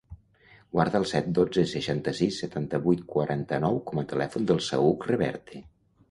Guarda el set, dotze, seixanta-sis, setanta-vuit, quaranta-nou com a telèfon del Saüc Reverte.